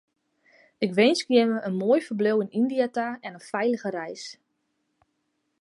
Ik winskje jimme in moai ferbliuw yn Yndia ta en in feilige reis.